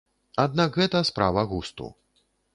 Аднак гэта справа густу.